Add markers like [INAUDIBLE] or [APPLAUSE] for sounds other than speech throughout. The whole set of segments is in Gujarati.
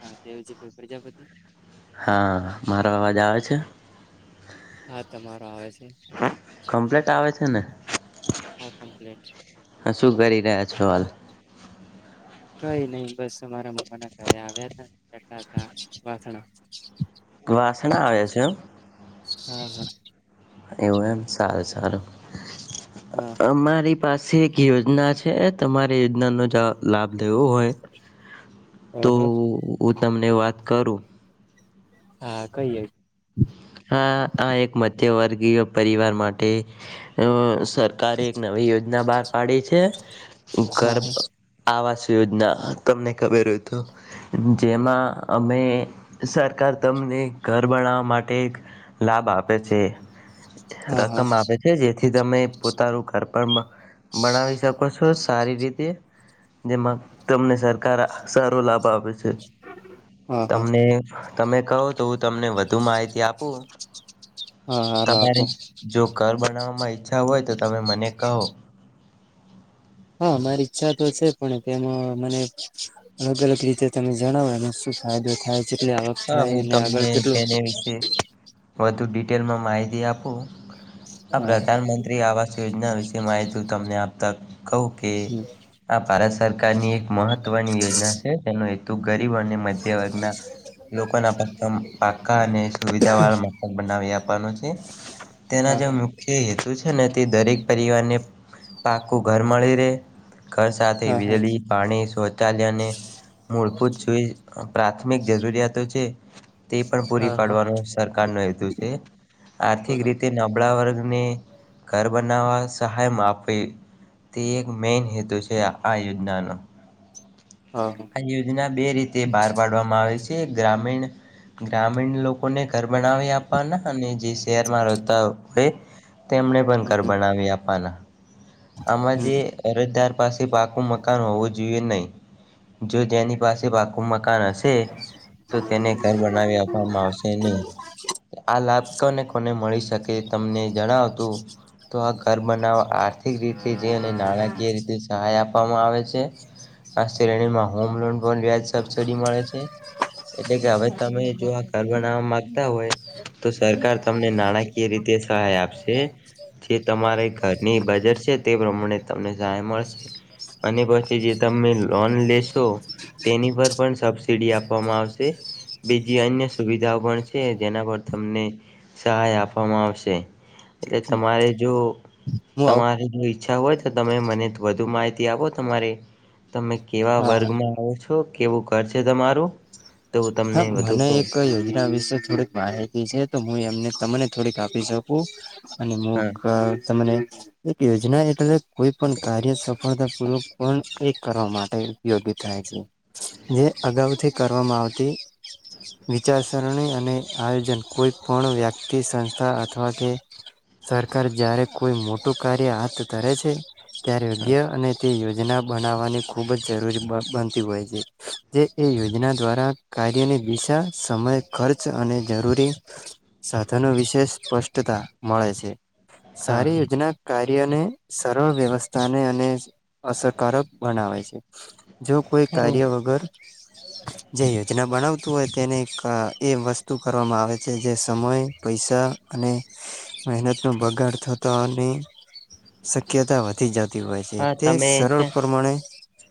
હા દેવજીભાઈ પ્રજાપતિ હા મારો અવાજ આવે છે. હા તમારો આવે છે. કમ્પ્લેટ આવે છે ને હા કોમ્પ્લીટ હા, શું કરી રહ્યા છો હાલ કઈ નઈ બસ મારા મામાના ઘરે આવ્યા હતા વાસણ વાસણા આવે છે એમ હા હા એવું એમ સારું સારું હા હા હા અમારી પાસે એક યોજના છે તમારે યોજના નો જ લાભ લેવો હોય તો ઓહો તમને વાત કરું હા કઈ યોજના હા આ એક મધ્યવર્ગીય પરિવાર માટે સરકારે એક નવી યોજના બહાર પાડી છે. હા ગર્ભ આવા યોજના તમને ખબર હોય તો જેમાં અમે સરકાર તમને ઘર બનાાવવા મા ટે એક લાભ આપે છે. હા હા રકમ આપે છે જેથી થી તમે પોતારું ઘર પણ બનાવી શકો છો સારી રીતે જેમાં તમને સરકાર સારો લાભ આપે છે. હા હા તમને તમે કહો તો હું તમને વધુ માહિતી આપું હા હાલો તમારે આપો જો ઘર બનાવવા ય ઈછા હોય તો તમે મને કહો. હા મારી ઈચ્છા તો છે પણ તેમાં મને અલગ અલગ રીતે તમે જણાવો એને શું ફાયદો થાય. કેટલી આવક હા થાય હું અને આગળ તમને કેટલું તેને વિશે વધુ ડિટેલમાં માહિતી આપો આ હા પ્રધાનમંત્રી આવાસ યોજના એના વિશેે માહિતી તમને આપતા કહું કે હમ આ ભારસ સરકારની એક મહત્વની યોજના છે તેનો હેતુ ગ તબ અને મધ્ય વર્ગના લોકોના પાકા અને સુવિધા વાળથ બનાવી આપવાનો છે તેના હા જે હા મુખ્ય હેતુ ને તે દરેક પરિવારને પાકું ઘર મળી રહે. ઘર સાથે હા હા વીજળી પાણી શૌચાલયને મૂળભૂત સુ પ્રાથમિક જરૂરિયાતો છે તે પણ પૂરી હા હા હા પાડવાનો સરકાર નો હેતુ છે આર્થિક બરોબર રીતે નબળા વર્ગ ઘર બનાવવા સહાયમાં આપવી તે એક મેન હેતુ છે આ યોજનાનો હા હા આ યોજના બે રીતે બહાર પાડવામાં આવે છે તે ગ્રામીણ ગ્રામીણ લોકોને ઘર બનાવી આપવાના અને જે શહેરમાં રહેતા હો તેમણે પણ હમ કરર હમ બનાવી આપવાના આમાં જે હમ અરજદાર પાસે પાકું મકાન હોવું જોઈએ નહીિ જો જેની પાસે બાકુમત મકાન હશે તો તેને ઘર બનાવી આપવામાં આવશે નહી આ લાભ ને કોને મળી શકે કે તમને જણાવતું તો આ ઘ બનાવ આર્થિક રીતે જે અને નાણાકીય રીતે સહાય આપ આપવામાં આવે છે આક્ષેણી માં હોમલોન ન વ્યાજ સબસડી મળે છે એટલે કે હવે તમે જો આ ઘર બનાવવા માંગતા હોય તો સરકાર તમને નાણાકીય રીતે સહાય આપશે જે તમારે ઘરની બજેટ છે તે પ્રમાણે તમને સહાય મળશે અને પછી જે તમે લોન લે શો તેની પર પણ સબસિડી આપવામાં આવશે બીજી અન્ય સુવિધાઓ પણ છે જેના પર તમને સહાય આપવામાં આવશે એટલે હમ તમારે જો હું આવ તમારે જો ઈચ્છા હોય તો તમે મને વધુ માહિતી આપો તમારે તમે કેવા હા હા વર્ગમાં આવો છો કેવું ઘર છે તમારું તો હું તમને હા વધુ મને કહું એક યોજના વિશે થોડીક માહિતી છે તો હું એમને તમને થોડી આપી શકું અને મુંક હા તમને એક યોજના એટલે કોઈ પણ કાર્ય સફળતા પૂર્ક પણ એ કરવા માટે ઉપયોગી થાય છે જે અગાઉથી કરવામાં આવ જે વિચારસરણી અને આયોજન કોઈ પણ વ્યક્તિ સંસ્થા અથવા કે સરકાર જ્યારે કોઈ મોટું કાર્ય હાથ ધરે છે ત્યારે હા યોગ્ય અને તે યોજના બનાવવાની ખૂબ જ જરૂરી બનતી હોય છે જે એ યોજના દ્વારા કાર્યની દિશા સમય ખર્ચ અને જરૂરી સાધનો વિશે સ્પષ્ટતા મળે છે હા સારી યોજના કાર્યને સરળ વ્યવસ્થાને અને અસરકારક બનાવે છે જો કોઈ હા કાર્ય વગર જઈએં જેના બનાવતું હોય તેને એ વસ્તુ કરવામાં આવે છે જે સમય પૈસા અને મહેનતનો બગાડ થતો અને શક્યતા વધી જતી હોય છે હા, તે તમે સરળ છે પ્રમાણે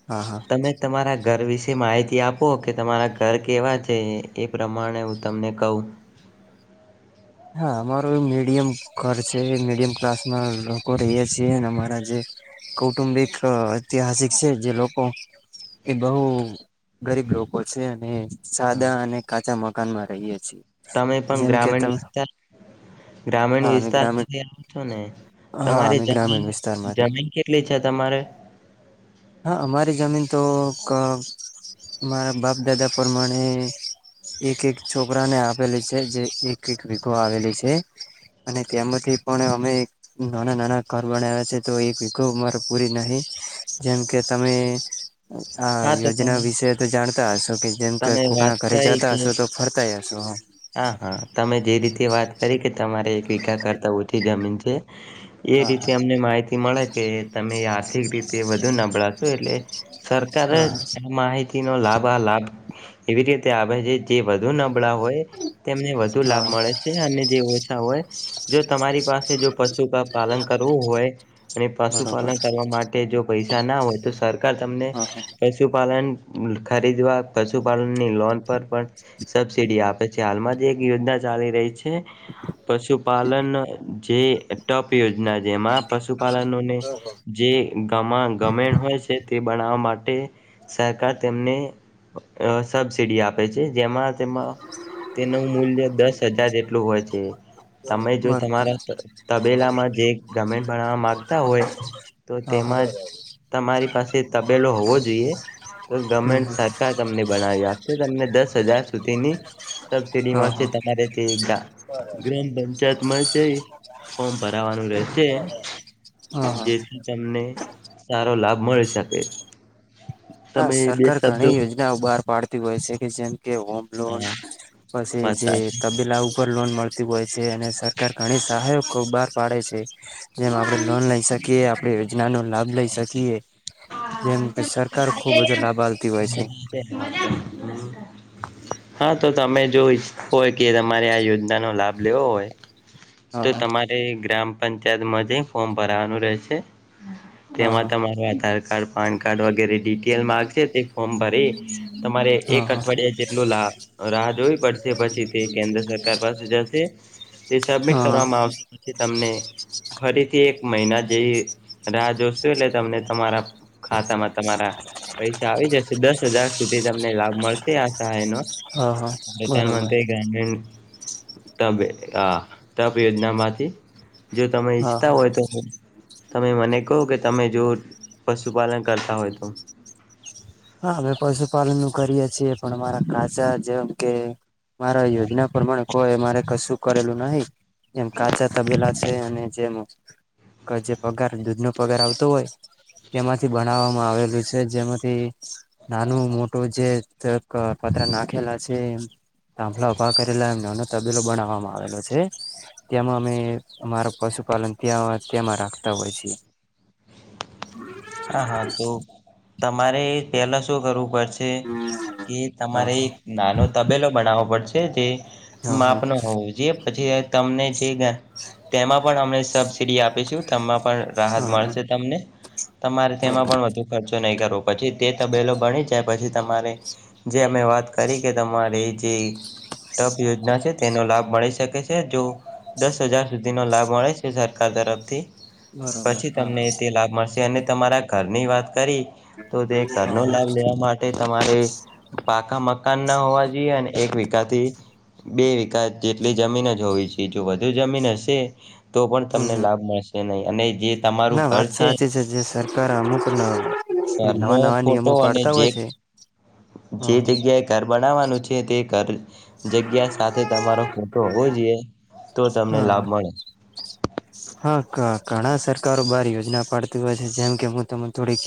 હા હા તમે તમારા ઘર વિશે માહિતી આપો કે તમારા ઘર કેવા છે એ પ્રમાણે હું તમને કહું હા અમારું મીડિયમ ઘર છે મીડિયમ ક્લાસમાં લોકો રહીએ છીએ અને અમારા જે કૌટુંબિક ઐતિહાસિક છે જે લોકો એ બહુ ગરીબ લોકો છે અને હા સાદા અને કાચા મ મકાનમાં રહીએ છે તમે પણ ગ્રામીણ વિસ્તાર ગ્રામીણ હા અમે વિસ્તાર ગ્રામીણ માંથી આવો છો ને હા અમે તમારી જમીન ગ્રામીણ વિસ્તારમાંથી જમીન કેટલી છે તમારે હા અમારી જમીન તો મારા બાપ દાદા પ્રમાણે એક એક છોકરાને આપેલી છે જે એક એક વગો આવેલી છે અને તેમાંથી પણ અમે નાના નાના ઘર બનાવ્યા છે તો એક વગો અરે પૂરી નહીિ જેમ કે તમે આ હા તો યોજના તમે વિશે તો જાણતા હશો કે જેમ કે તમે વાત કોકના ઘરે કરી જતા કે હશો તો ફરતા જશો હ હા હા તમે જે રીતે વાત કરી કે તમારે એક વિકા કરતા ઓછી જમીન છે એ હા રીતે અમને માહિતી મળે કે તમે યાદ આિક રીતે વધુ નબળાશું એટલે સર કર હા માહિત નો લાભ આ લાભ એવી રીતે આવે છે જે વધુ નબળા હોય તેમને વધુ હા લાભ હા મળે છે અને જે ઓછા હોય જો તમારી પાસે જો પશુ પાલન કરવું હોય અને બરોબર પશુપાલન કરવા માટે જો પૈસા ના હોય તો સરકાર તમને હા હા પશુપાલન ખરીદવા પશુપાલનની લોન પર પણ સબસીિડી આપે છે હાલમાં જ એક યોજના ચાલી રહી છે પશુપાલન જે ટોપ યોજના જેમાં પશુપાલનોને જે ગ ગમેણ હોય છે તે બનાવા માટે માટે સરકાર તેમને સબસીિડી આપે છે જેમાં તેમાં તેનું મૂલ્ય દસ હજાર જેટલું હોય છે તમે જો બરોબર તમારા તબેલામાં જે ગર્મેન્ટ બરાામત હોય તો હા હા તેમાં તમારી પાસે તે તબેલો હોવો જો જોઈએ તો હમ ગવર્મેન્ટ હમ સરકાર તમને બનાવી આપશે તમને દસ દ હજાર સુધીની સબસીિડી હા મળશે હા તમારે તે એક ગા ગ્રામ પંચાયતમાં છે ફોર્મ ભરાવાનું રહેેશે હા હા જેથી તને સારો લાભ મળી શકે હા તમે બે સરકાર શબ્દો ઘણી યોજનાઓ બહાર પાડતી હોય છે કે જેમ કે હોમ લોન હા પછી વાત જે સાચી તબેલા લોન મળ હોય છે અને સરકાર ઘણી સહાય બહાર પાડે છે જેમ આપણે લોન લઈ શકીએ આપણે યોજના નો લાભ લઈ સાચી. શકીએ જેમ કે સર [INAUDIBLE] [INAUDIBLE] હા તો તમે જો ઈચ્છ હોય કે તમારે આ યોજના નો લાભ લેવો હોય તો હા તમારે ગ્રામ પંચાયતમાં જઈ ફોર્મ ભરવાનું રહેશે તેમાં હા તમારું આધાર કાર્ડ પાન કાર્ડ વગેરે ડિટેલ માંગશે ફોર્મ ભરી તમારે હા હા એક હા અઠવાડિયા જેટલું લાહ રાહ જોવી પડશે પછી તે કેન્દ્ર સરકાર પાસે જશે તે સબમિટ હા કરવામાં આવશે પછી તમને ફરીથી એક મહિના જેવી રાહ જોશું એટલે તમને તમારા ખાતામા તમારા પૈસા આવી જશે દસ હજાર સુધી તમને લાભ મળશે આ સહાય નો હા હા બરોબર પ્રધામંત્રી ગ્રામીણ તબે હા. તપયોજનામાંથી જો તમે હા ઈચ્છતા હા હોય તો તમે મને કહો કે તમે જો પશુપાલન કરતા હોય તો હા અમે પશુપાલન નું કરીએ છીએ પણ મારા કાચા જેમ કે મારા યોજના પ્રમાણે કોઈ મારે કશું કરેલું નહી એમ કાચા તબેલા છે. અને જેમ જે પગાર દૂધ ન પગાર આવતો હોય તેમાંથી બનાવવામાં આવેલું છે જેમાંથી નાનું મોટું જે એક પતરા નાખેલા છે તાંભલા ઉભા કરેલા એમ નાનો તબેલો બનાવવામાં આવેલો છે તેમાં અમે અમારા પશુપાલન ત્યાં તેમાં રાખતા હોય છે. હા હા તો તમારે પેલા શું કરવું પડશે. કે હા તમારે એક નાનો તબેલો બનાવવો પડશે તેથી હા માપ હા ના હોવું જે પછી તમને છે ગ તેમાં પણ અમને સબસીડી આપીશું તેમાં પણ રાહત હા હા હા મળશે તમને તમારે તેમાં પણ વધુ ખર્ચો નહીં કર તો પછી તે તબેલો ભણી જાય પછી તમારે જે અમે વાત કરી કે તમારી જે ટપ યોજના છે તેનો લાભ મળી શકે છે જો દસ હજાર સુધીનો લાભ મળે છે સરકાર તરફથી બરોબર પછી હા તમને તે લાભ મળશે અને કરની વાત કરી તો તે હા ઘરનો હા લાભ લેવા માટે તમારે પાકા મ મકાન ના હોવા જોઈએ અને એક વિકાથી બે વિકા જેટલી જમીન જ હોવી જોઈએ જો વધુ જમીન હશે તો પણ હમ તમને હમ લાભ મળશે નહી અને જે તમારું ના ઘર વાત છે સાચી જે સરકાર અ મુુકના ઘરનો ફોટો અને જે હ જે હા જગ્યાએ ઘર બા બનાવવાનું છે તે ઘર જગ્યા સાથે તમારો ફોટો હોવો જોઈએ તો તમને હા લાભ મળે હા ઘણા સરકારો બહાર યોજના પાડતી હોય છે જેમ કે હું તમે થોડીક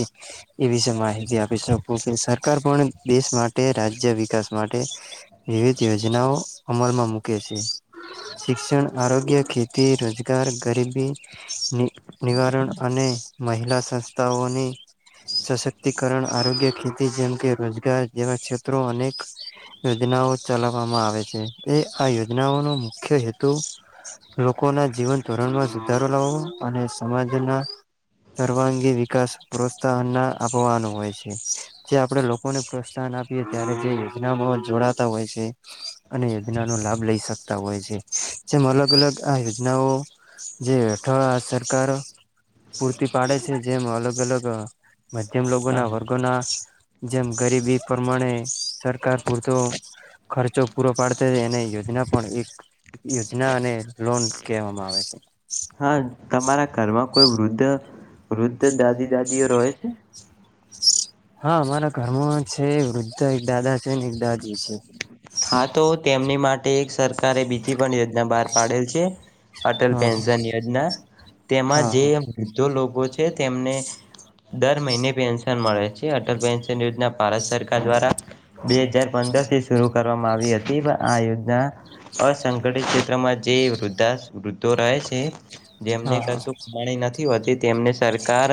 એ વિશે માહિતી આપી શકું કે સરકાર પણ દેશ માટે રાજ્ય વિકાસ માટે વિવિધ યોજનાઓ અમલમાં મૂકે છે શિક્ષણ આરોગ્ય ખેતી રોજગાર ગરીબી ની નિવારણ અને મહિલા સંસ્થાઓની સશક્તિકરણ આરોગ્ય ખેતી જેમ કે રોજગાર જેવા ક્ષેત્રો અનેક યોજનાઓ ચલાવવામાં આવે છે એ આ યોજનાઓનો મુખ્ય હેતુ લોકોના જીવન ધોરણમાં સુધારો લાવો અને સમાજના સર્વાંગી વિકાસ પ્રોત્સાહનના આપવાનો હોય છે જે આપણે લોકોને પ્રોત્સાહન આપીએ ત્યારે જે યોજનામાં જોડાતા હોય છે અને યોજનાનો લાભ લઈ શકતા હોય છે જેમ અલગ અલગ આ યોજનાઓ જે અઠોવા સરકાર પૂરતી પાડે છે જેમ અલગ અલગ [INAUDIBLE] મધ્યમ લોકોગ હા ના હા વર્ગોના જેમ ગરીબી પ્રમાણે સરકાર પૂરતો ખર્ચો પૂરો પાડતી એને યોજના પણ એક યોજના અને લોન કહેવામાં આવે છે હા તમારા ઘરમાં કોઈ વૃદ્ધ વૃદ્ધ દાદી દાદીઓ રહે છે હા અમારા ઘરમાં છે વૃદ્ધ એક દાદા છે ને એક દાદી છે. હા તો તેમની માટે એક સરકારે બીજી પણ યોજના બહાર પાડેલ છે અટલ હા પેન્શન યોજના તેમાં હા જે વૃ્ધો લોકો છે. તેમને દર મહિને પેન્શન મળે છે અટલ પેન્શન યોજના ભારત સરકાર દ્વારા બે હજાર પંદર થી શરૂ કરવામાં આવી હતી પણ આ યોજના અસંગઠિત ક્ષેત્રમાં જે વૃદ્ધા વૃદ્ધો રહે છે. જેમને હા કશું કમાણી નથી હોતી. તેમને સરકાર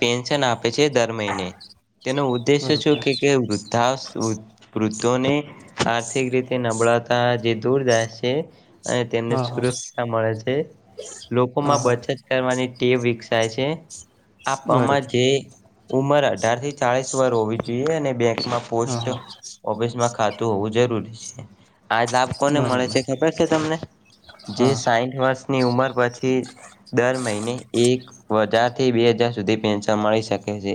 પેન્શન આપે છે દર મહિને તેનો હા હા ઉદ્દેશ્ય છ બરોબર કે વૃત્ત વૃદ્ધોને આર્થિક રીતે નબળાતા જે દૂર જાય છે. અને તેમને હા હા સુરક્ષા મળે છે હા લોકોમાં હા બચત કરવાની તે વિકસાય છે. આપવામાં બરોબર જે ઉંમર હતી આરતી. ચાળસ વાર હોવી જોઈએ અને હા પોસ્ટ હા ઓફિસમાં ખાતું હોવું જરૂરી છે. આ લાભ કોને મળે બરોબર છે ખબર છે તમને જે હા સાઈઠ વર્ષની ઉમર પછી દર મહિને એક હજારથી બે હજાર સુધી પેન્શન મળી શકે છે.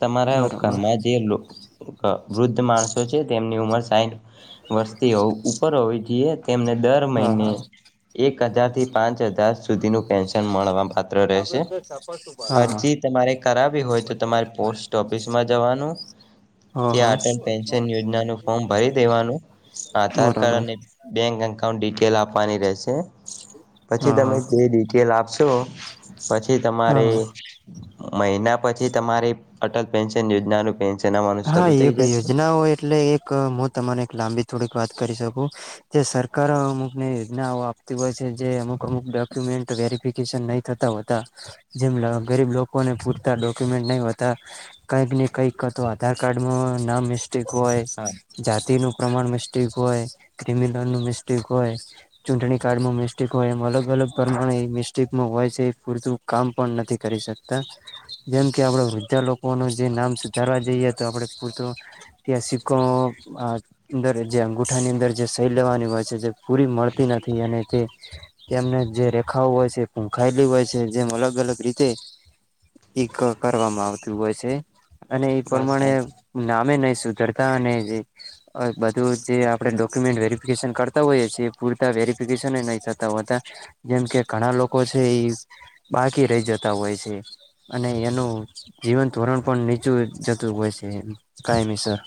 તમારા બરોબર ઘરમાં જે લો વૃદ્ધ માણસો છે તેમની ઉંમર સાઈઠ વર્ષથી હો ઉપર હોવે જઈએ. એમને દર હા મહિને હા એક હજારથી પાંચ હજાર સુધીનું પેન્શન મળવા પાત્ર રેહશે હા હા અરજી તમારે કરાવી હોય તો તમારે પોસ્ટ ઓફિસમાં જવાનુ હા ત્યા હા અટન પેન્શન યોજનાનુ ફોર્મ ભરી દેવાનું આધારકાર્ડ બરોબર અને બેન્ક એકા ડિટેલ આપવાની રહેશે. પછી હા તમે હા જે ડિટેલ આપશો પછી તમારે હા મહિના પછી તમારી અટલ પેન્શન યોજનાનું પેન્શન તેના મા હા એક યોજના હોય એટલે એક હું તમાને એક લાંબી થોડીક વાત કરી શકું જે સરકારો અમુક યોજનાઓ આપતી હોય છે જે અમુક અમુક ડોક્યુમેન્ટ વેરિફિકેશન નહી થતા હો હતા જેમ ગરીબ લોકોને પૂરતા ડોક્યુમેન્ટ નહી હોતા કઈક ને કઈક તો આધારકાર્ડમાં નામ મિ સ્ટેક હોય હા, જાતિનું પ્રમાણ મિસ્ટિક હોય ક્રિમિનલનુ મિસ્ટેક હોય ચૂંટણી કડ મિસ્ટેક હોય એમ અલગ અલગ પ્રમાણે એ મિસ્ટેકમાં હોય છે એ પૂરતું કામ પણ નથી કરી શકતા જેમ કે આપડ વૃદ્ધા લોકો ન જે નામ ચારવા જઈએ તો આપણે પૂરતો ત્યાં સિક્કો અંદર જે અંગૂઠાની અંદર જે સહી લેવાની હોય છે જે પૂરી મળતી નથી અને તે તેમમને જે રેખાઓ હોય છે ભૂખાયેલી હોય છે જેમ અલગ અલગ રીતે એ કરવામાં આવતું હોય છે. અને એ બસ પ્રમાણે સાચી નામે નહી સુધરતા અને બધું જે આપણે ડોક્યુમેન્ટ વેરિફિકેશન કરતા હોઈએ છીએ પૂરતા વેરિફિકેશન નહી થતા હોતા જેમ કે ઘણા લોકો છે એ બાકી રહી જતા હોય છે. અને એનું જીવન ધોરણ પણ નિ ચું જતું હોય છે કાયમી સર